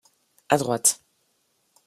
À droite.